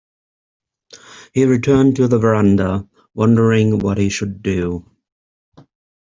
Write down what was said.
He returned to the verandah wondering what he should do.